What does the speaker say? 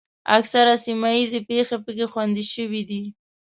اکثره سیمه ییزې پېښې پکې خوندي شوې دي.